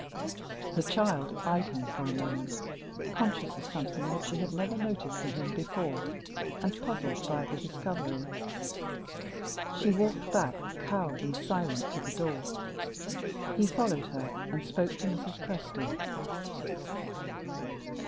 The child eyed him for a moment, conscious of something which she had never noticed in him before, and puzzled by the discovery. She walked back, cowed and silent, to the door. He followed her and spoke to Mrs. Presty.